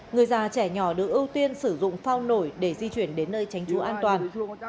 người già trẻ nhỏ được ưu tiên sử dụng phao nổi để di chuyển đến nơi tránh trú an toàn